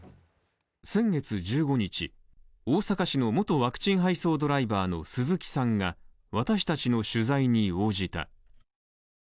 先月１５日、大阪市の元ワクチン配送ドライバーの鈴木さんが私達の取材に応じた。